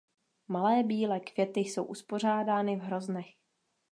Malé bílé květy jsou uspořádány v hroznech.